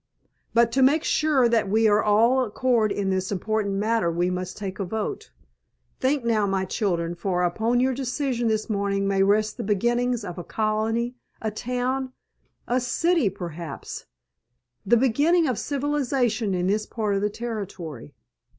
But to make sure that we are all accord in this important matter we will take a vote. Think now, my children, for upon your decision this morning may rest the beginnings of a colony—a town—a city—perhaps, the beginning of civilization in this part of the Territory.